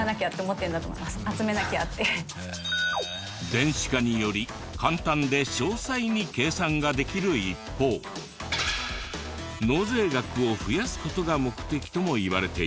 電子化により簡単で詳細に計算ができる一方納税額を増やす事が目的ともいわれている。